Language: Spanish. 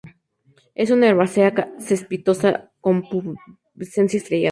Es una herbácea cespitosa con pubescencia estrellada.